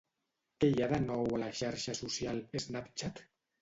Què hi ha de nou a la xarxa social Snapchat?